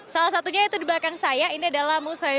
salah satunya itu di belakang saya ini adalah musoyo